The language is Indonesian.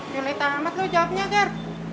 julai tamat lo jawabnya ger